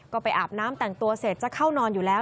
ก็ไปอาบน้ำแต่งตัวเสร็จจะเข้านอนอยู่แล้ว